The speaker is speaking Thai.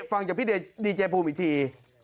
ฟังจากพี่ดีเจภูมิอีกที